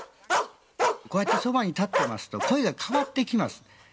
こうやってそばに立っていますと声が変わってきます。